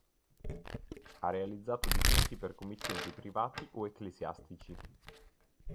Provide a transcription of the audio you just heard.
Ha realizzato dipinti per committenti privati o ecclesiastici.